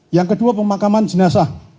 yang kedua pemakaman jenazah